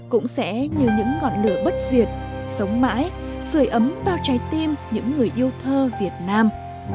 cũng sẽ như những ngọn lửa bất diệt sống mãi rời ấm bao trái tim những người yêu thơ việt nam